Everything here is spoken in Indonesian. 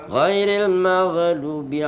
ganteng juga ganteng